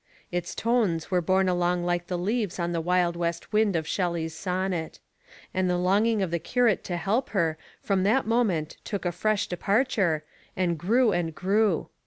Its tones were borne along like the leaves on the wild west wind of Shelley's sonnet. And the longing of the curate to help her from that moment took a fresh departure, and grew and grew.